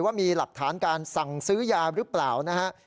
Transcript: ว่ามีหลักฐานการสั่งซื้อยาหรือเปล่านะฮะ